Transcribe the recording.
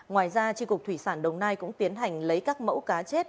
ngoài ra tri cục thủy sản đồng nai cũng tiến hành lấy các mẫu cá chết